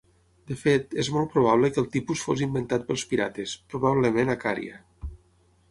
De fet, és molt probable que el tipus fos inventat pels pirates, probablement a Cària.